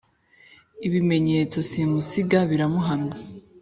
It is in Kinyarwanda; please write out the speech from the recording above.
ibimenyetso simusiga. biramuhamya